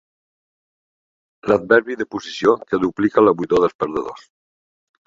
L'adverbi de posició que duplica la buidor dels perdedors.